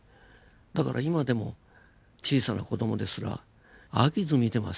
だから今でも小さな子供ですら飽きず見てますよ。